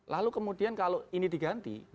lalu kemudian kalau ini diganti